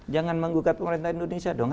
jangan menggugat pemerintah indonesia dong